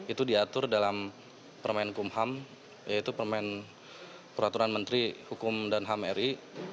itu diatur dalam permain kum ham yaitu permain peraturan menteri hukum dan ham ri